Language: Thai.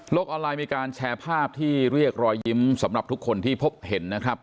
ออนไลน์มีการแชร์ภาพที่เรียกรอยยิ้มสำหรับทุกคนที่พบเห็นนะครับ